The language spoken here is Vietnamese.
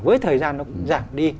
với thời gian nó cũng giảm đi